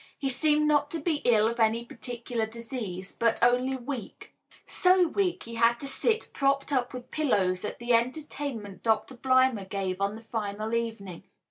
He seemed not to be ill of any particular disease, but only weak; so weak he had to sit propped up with pillows at the entertainment Doctor Blimber gave on the final evening.